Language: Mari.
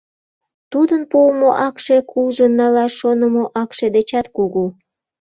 Тудын пуымо акше кулжын налаш шонымо акше дечат кугу.